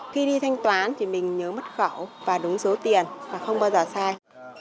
khi đi thanh toán thì mình nhớ mất khẩu và đúng số tiền và không bao giờ sai